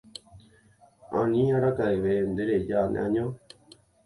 ani araka'eve ndereja ne año